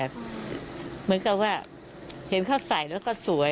เหมือนกับว่าเห็นเขาใส่แล้วก็สวย